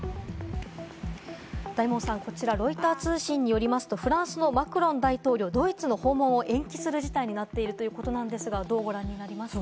大門さん、こちらロイター通信によりまずフランスのマクロン大統領、ドイツの訪問を延期する事態になっているということなんですが、どうご覧になりますか？